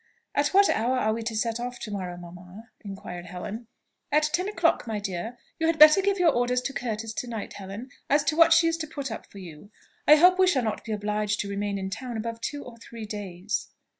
"At what hour are we to set off to morrow, mamma?" inquired Helen. "At ten o'clock, my dear. You had better give your orders to Curtis to night, Helen, as to what she is to put up for you. I hope we shall not be obliged to remain in town above two or three days."